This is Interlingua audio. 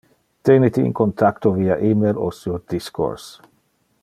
Tene te in contacto via email o sur Discourse.